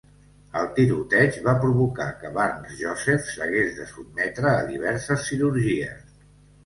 El tiroteig va provocar que Barnes-Joseph s'hagués de sotmetre a diverses cirurgies.